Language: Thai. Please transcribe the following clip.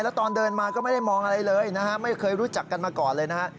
แล้วตอนเดินมาก็ไม่ได้มองอะไรเลยนะฮะไม่เคยรู้จักกันมาก่อนเลยนะฮะ